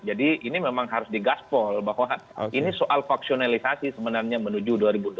jadi ini memang harus digaspol bahwa ini soal faksionalisasi sebenarnya menuju dua ribu dua puluh empat